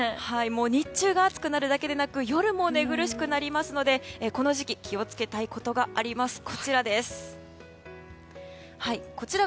日中が暑くなるだけでなく夜も寝苦しくなるのでこの時期気を付けたいことがあります、こちら。